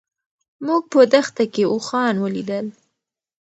موږ په دښته کې اوښان ولیدل.